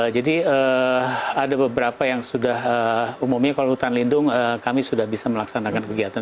jadi ada beberapa yang sudah umumnya kalau hutan lindung kami sudah bisa melaksanakan kegiatan